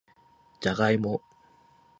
じゃがいも